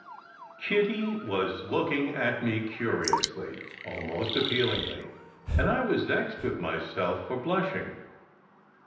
Kitty was looking at me curiously, almost appealingly, and I was vexed with myself for blushing.